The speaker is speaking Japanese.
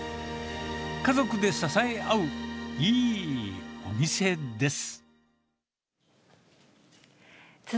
家族で支え合う、いいお店です。